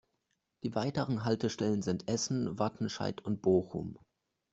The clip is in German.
Die weiteren Haltestellen sind Essen, Wattenscheid und Bochum.